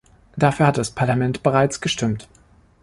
Dafür hat das Parlament bereits gestimmt.